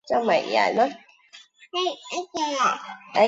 此举被视为斯普鲁恩斯的第二个个重要决策。